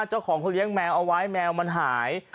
เจ้าของเขาเลี้ยงแมวเอาไว้แมวมันหาย